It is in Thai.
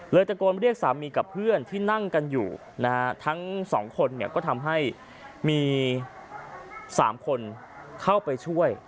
เลยแต่โกรธมาเรียกสามีกับเพื่อนที่นั่งกันอยู่นะทั้ง๒คนก็ทำให้มี๓คนเข้าไปช่วย